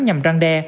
nhằm răng đe